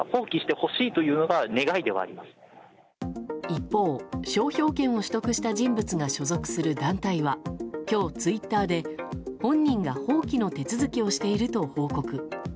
一方、商標権を取得した人物が所属する団体は今日、ツイッターで本人が放棄の手続きをしていると報告。